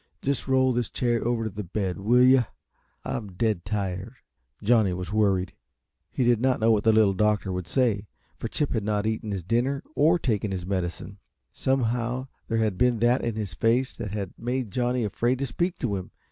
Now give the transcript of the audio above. Just roll this chair over to the bed, will you? I'm dead tired." Johnny was worried. He did not know what the Little Doctor would say, for Chip had not eaten his dinner, or taken his medicine. Somehow there had been that in his face that had made Johnny afraid to speak to him.